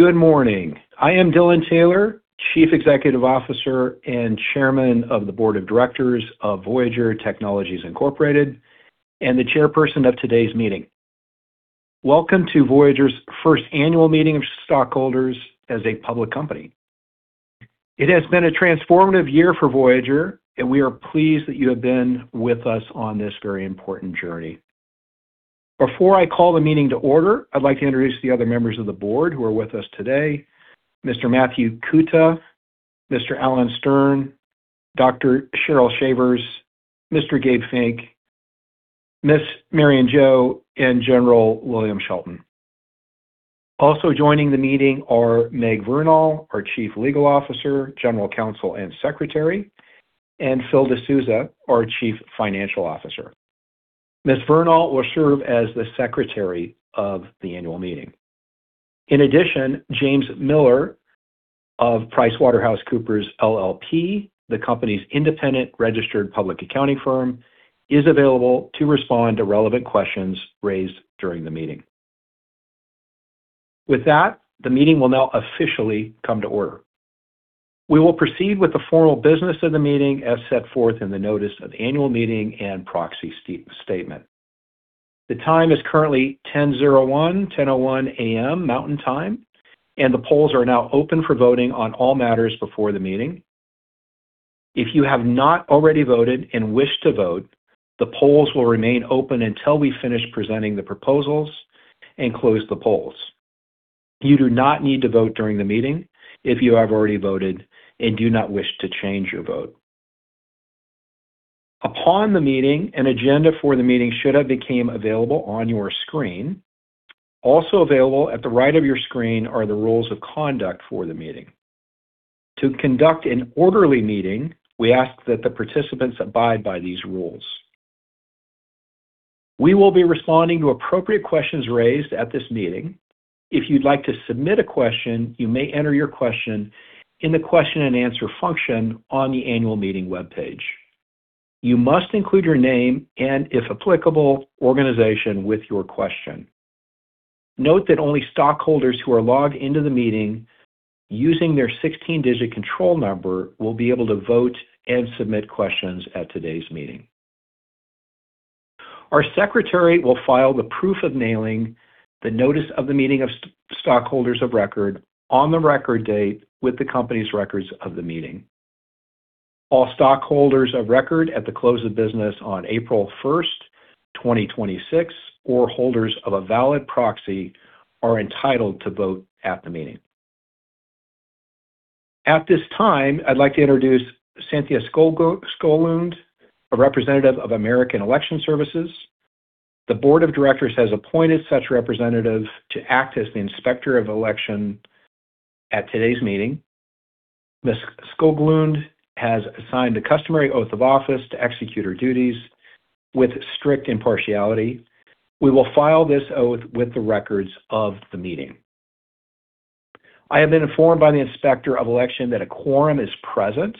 Good morning. I am Dylan Taylor, Chief Executive Officer and Chairman of the Board of Directors of Voyager Technologies Incorporated, and the chairperson of today's meeting. Welcome to Voyager's first annual meeting of stockholders as a public company. It has been a transformative year for Voyager, and we are pleased that you have been with us on this very important journey. Before I call the meeting to order, I'd like to introduce the other members of the board who are with us today. Mr. Matthew Kuta, Mr. Alan Stern, Dr. Cheryl Shavers, Mr. Gabe Finke, Ms. Marian Joh, and General William Shelton. Also joining the meeting are Meg Vernal, our Chief Legal Officer, General Counsel, and Secretary, and Phil D'Souza, our Chief Financial Officer. Ms. Vernal will serve as the secretary of the annual meeting. In addition, James Miller of PricewaterhouseCoopers LLP, the company's independent registered public accounting firm, is available to respond to relevant questions raised during the meeting. With that, the meeting will now officially come to order. We will proceed with the formal business of the meeting as set forth in the notice of annual meeting and proxy statement. The time is currently 10:01 A.M., Mountain Time, and the polls are now open for voting on all matters before the meeting. If you have not already voted and wish to vote, the polls will remain open until we finish presenting the proposals and close the polls. You do not need to vote during the meeting if you have already voted and do not wish to change your vote. Upon the meeting, an agenda for the meeting should have became available on your screen. Also available at the right of your screen are the rules of conduct for the meeting. To conduct an orderly meeting, we ask that the participants abide by these rules. We will be responding to appropriate questions raised at this meeting. If you'd like to submit a question, you may enter your question in the question-and-answer function on the annual meeting webpage. You must include your name and, if applicable, organization with your question. Note that only stockholders who are logged in to the meeting using their 16-digit control number will be able to vote and submit questions at today's meeting. Our secretary will file the proof of mailing the notice of the meeting of stockholders of record on the record date with the company's records of the meeting. All stockholders of record at the close of business on April 1st, 2026, or holders of a valid proxy, are entitled to vote at the meeting. At this time, I'd like to introduce Cynthia Skoglund, a representative of American Election Services. The board of directors has appointed such representative to act as the Inspector of Election at today's meeting. Ms. Skoglund has signed the customary oath of office to execute her duties with strict impartiality. We will file this oath with the records of the meeting. I have been informed by the Inspector of Election that a quorum is present.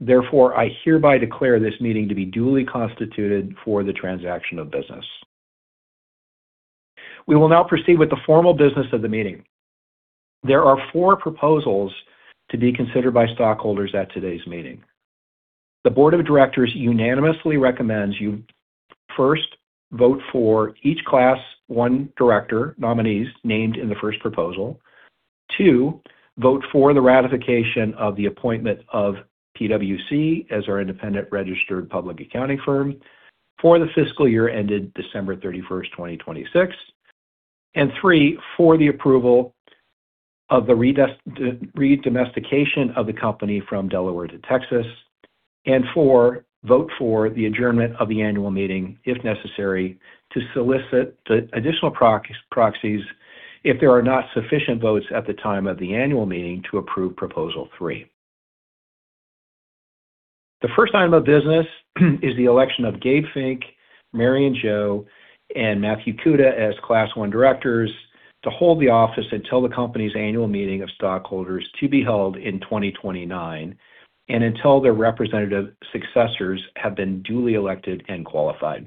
Therefore, I hereby declare this meeting to be duly constituted for the transaction of business. We will now proceed with the formal business of the meeting. There are four proposals to be considered by stockholders at today's meeting. The board of directors unanimously recommends you first vote for each Class I director nominees named in the first proposal. Two, vote for the ratification of the appointment of PwC as our independent registered public accounting firm for the fiscal year ended December 31st, 2026. Three, for the approval of the re-domestication of the company from Delaware to Texas. Four, vote for the adjournment of the annual meeting, if necessary, to solicit the additional proxies if there are not sufficient votes at the time of the annual meeting to approve proposal three. The first item of business is the election of Gabe Finke, Marian Joh, and Matthew Kuta as Class I directors to hold the office until the company's annual meeting of stockholders to be held in 2029, and until their respective successors have been duly elected and qualified.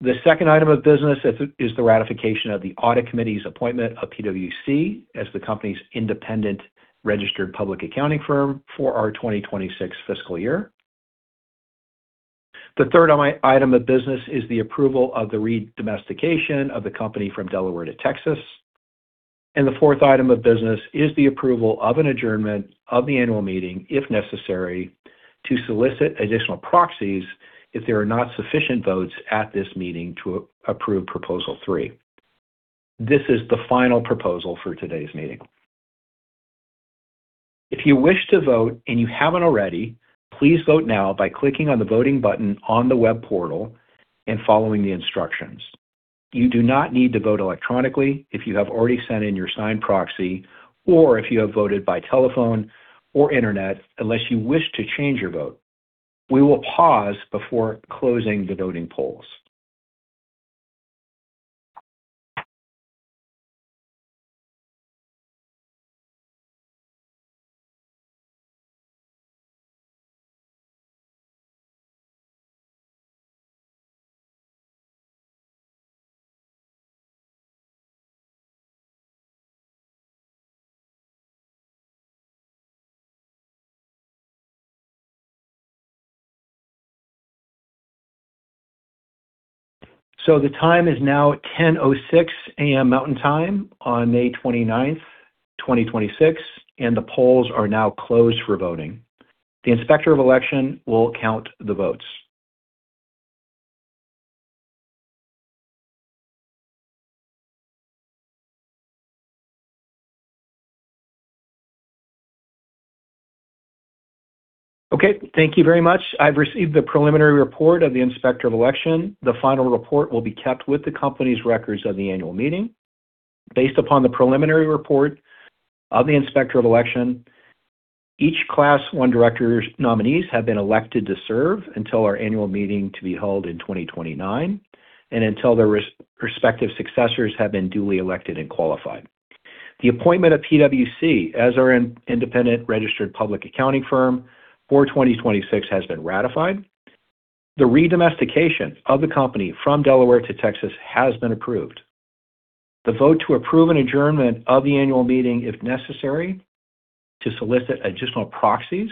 The second item of business is the ratification of the audit committee's appointment of PwC as the company's independent registered public accounting firm for our 2026 fiscal year. The third item of business is the approval of the re-domestication of the company from Delaware to Texas. The fourth item of business is the approval of an adjournment of the annual meeting, if necessary, to solicit additional proxies if there are not sufficient votes at this meeting to approve proposal three. This is the final proposal for today's meeting. If you wish to vote and you haven't already, please vote now by clicking on the voting button on the web portal and following the instructions. You do not need to vote electronically if you have already sent in your signed proxy, or if you have voted by telephone or internet, unless you wish to change your vote. We will pause before closing the voting polls. The time is now 10:06 A.M. Mountain Time on May 29th, 2026, and the polls are now closed for voting. The Inspector of Election will count the votes. Okay, thank you very much. I've received the preliminary report of the Inspector of Election. The final report will be kept with the company's records of the annual meeting. Based upon the preliminary report of the Inspector of Election, each Class I director nominees have been elected to serve until our annual meeting to be held in 2029, and until their respective successors have been duly elected and qualified. The appointment of PwC as our independent registered public accounting firm for 2026 has been ratified. The re-domestication of the company from Delaware to Texas has been approved. The vote to approve an adjournment of the annual meeting, if necessary, to solicit additional proxies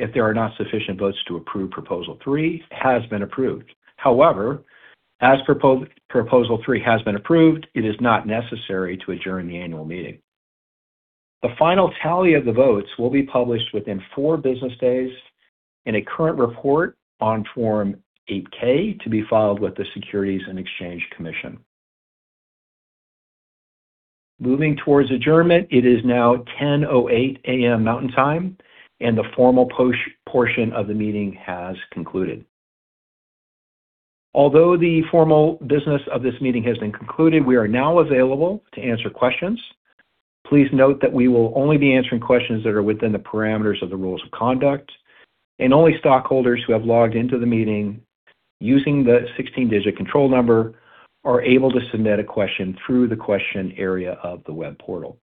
if there are not sufficient votes to approve proposal three has been approved. However, as proposal three has been approved, it is not necessary to adjourn the annual meeting. The final tally of the votes will be published within four business days in a current report on Form 8-K to be filed with the Securities and Exchange Commission. Moving towards adjournment, it is now 10:08 A.M. Mountain Time, and the formal portion of the meeting has concluded. Although the formal business of this meeting has been concluded, we are now available to answer questions. Please note that we will only be answering questions that are within the parameters of the rules of conduct, and only stockholders who have logged into the meeting using the 16-digit control number are able to submit a question through the question area of the web portal.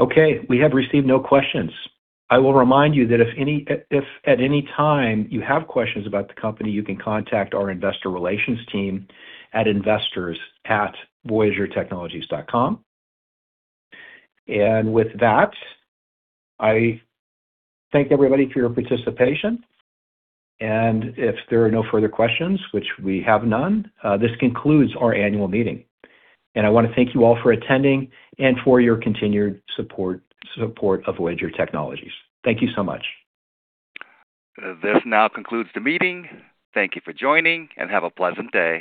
Okay, we have received no questions. I will remind you that if at any time you have questions about the company, you can contact our investor relations team at investors@voyagertechnologies.com. With that, I thank everybody for your participation. If there are no further questions, which we have none, this concludes our annual meeting. I want to thank you all for attending and for your continued support of Voyager Technologies. Thank you so much. This now concludes the meeting. Thank you for joining, and have a pleasant day.